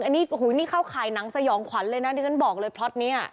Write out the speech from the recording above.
อันนี้โอ้โหนี่เขาขายหนังสยองขวัญเลยนะที่ฉันบอกเลยเพราะเนี้ย